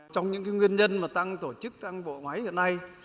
trong những nguyên nhân mà tăng tổ chức tăng bộ máy hiện nay